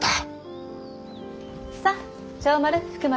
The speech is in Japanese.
さあ長丸福松。